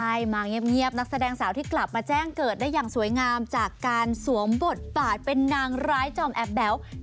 ใช่มาเงียบนักแสดงสาวที่กลับมาแจ้งเกิดได้อย่างสวยงามจากการสวมบทบาทเป็นนางร้ายจอมแอบแบ๊ว